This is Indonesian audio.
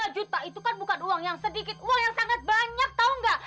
lima juta itu kan bukan uang yang sedikit uang yang sangat banyak tau gak